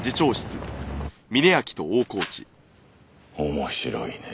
面白いねぇ。